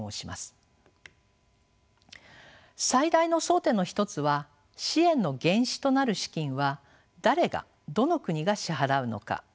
最大の争点の一つは支援の原資となる資金は誰がどの国が支払うのか拠出するのかです。